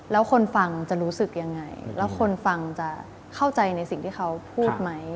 แล้วคนฟังจะรู้สึกยังไงแล้วคนฟังจะเข้าใจในสิ่งที่เขาพูดไหม